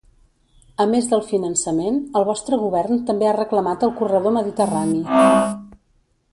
A més del finançament, el vostre govern també ha reclamat el corredor mediterrani.